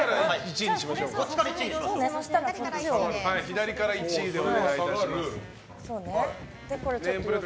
左から１位でお願いします。